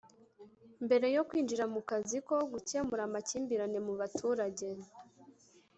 Mbere yo kwinjira mu kazi ko gukemura amakimbirane mu baturage